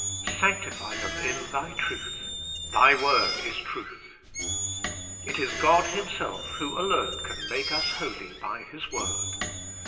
" Sanctify them in Thy truth. Thy word is truth.'' It is God Himself Who alone Can Make us Holy by His Word.